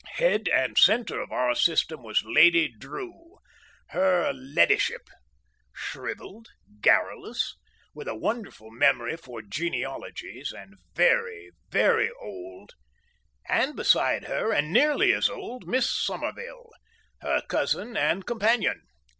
Head and centre of our system was Lady Drew, her "leddyship," shrivelled, garrulous, with a wonderful memory for genealogies and very, very old, and beside her and nearly as old, Miss Somerville, her cousin and companion.